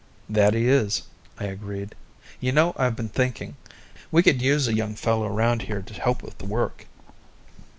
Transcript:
"That he is," I agreed. "You know, I've been thinking; we could use a young fella around here to help with the work."